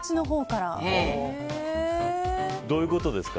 どういうことですか